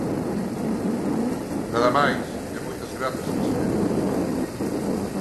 Nada máis e moitas grazas, presidente.